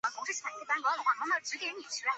石头上镌刻着中外名人名言。